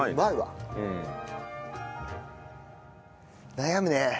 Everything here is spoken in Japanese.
悩むね。